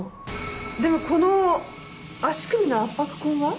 でもこの足首の圧迫痕は？